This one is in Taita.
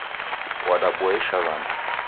Wadaboesha wandu